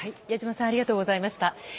矢島さんありがとうございました。